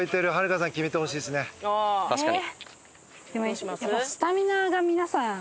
確かに。